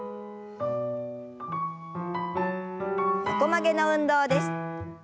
横曲げの運動です。